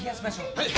はい。